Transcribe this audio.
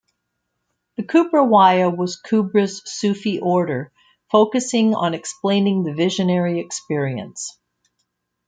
The Kubrawiya was Kubra's Sufi order, focusing on explaining the visionary experience.